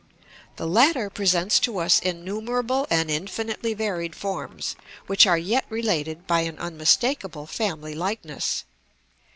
The latter presents to us innumerable and infinitely varied forms, which are yet related by an unmistakable family likeness.